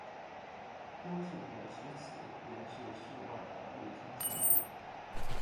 郭氏墓石祠原是室外的露天建筑。